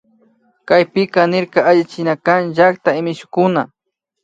Chaypika nirka allichinakan llakta y mishukuna